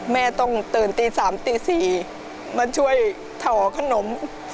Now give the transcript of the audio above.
แม่ต้องตื่นตี๓ตี๔มาช่วยถ่อขนม